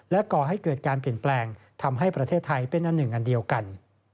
ก่อให้เกิดการเปลี่ยนแปลงทำให้ประเทศไทยเป็นอันหนึ่งอันเดียวกัน